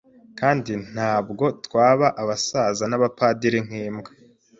Kandi ntabwo twaba Abasaza nAbapadiri nkimbwa